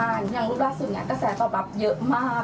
อย่างรูปล่าสุดแสดงตอบรับเยอะมาก